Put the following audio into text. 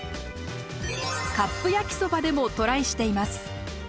カップ焼きそばでもトライしています。